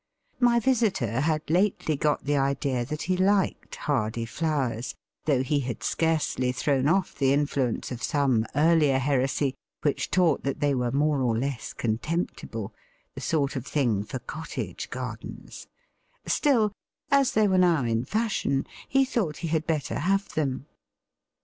My visitor had lately got the idea that he liked hardy flowers, though he had scarcely thrown off the influence of some earlier heresy which taught that they were more or less contemptible the sort of thing for cottage gardens; still, as they were now in fashion, he thought he had better have them.